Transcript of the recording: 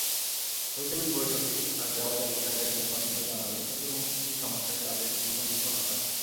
গোলটেবিল বৈঠকেই আগ্রাবাদ এলাকার একজন বাসিন্দা জানালেন, চতুর্মুখী সমস্যায় তাঁদের জীবন বিপন্নপ্রায়।